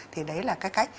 thì đấy là cái cách